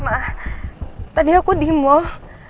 mah tadi aku di mall